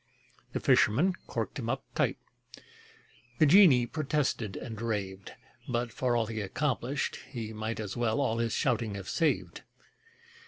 The fisherman corked him up tight: The genie protested and raved, But for all he accomplished, he might As well all his shouting have saved.